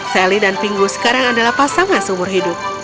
sally dan pingu sekarang adalah pasangan seumur hidup